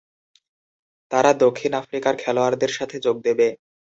তারা দক্ষিণ আফ্রিকার খেলোয়াড়দের সাথে যোগ দেবে।